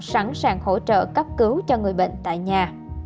sẵn sàng hỗ trợ cấp cứu cho người bệnh tại nhà